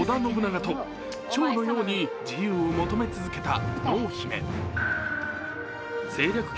とちょうのように自由を求め続けた濃姫。